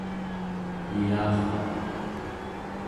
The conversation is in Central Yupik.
ilarraq